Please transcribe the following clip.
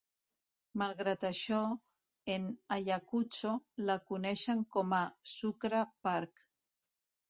Malgrat això, en Ayacucho, la coneixen com a "Sucre park".